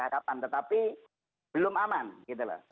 kapan tetapi belum aman gitu loh